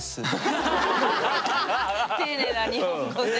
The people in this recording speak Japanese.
丁寧な日本語で。